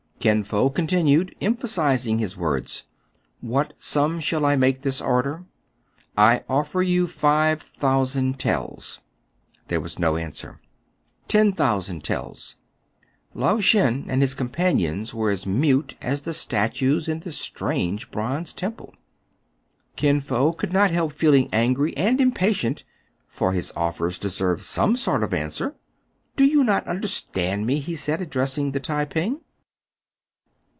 Kin Fo continued, emphasizing his words, — "What sum shall I make this order? I offer you five thousand taels." There was no answer. "Ten thousand taels.'* Lao Shen and his companions were as mute as the statues in this strange bonze temple. Kin Fo could not help feeling angry and impa tient ; for his offers deserved some sort of answer. " Do you not understand me .^" he said, address ing the Tai ping.